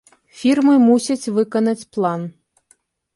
Фірмы мусяць выканаць план.